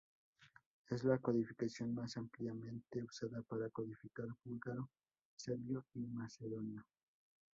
Es la codificación más ampliamente usada para codificar búlgaro, Serbio y macedonio.